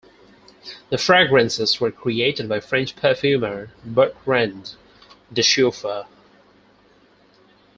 The fragrances were created by French perfumer Bertrand Duchaufour.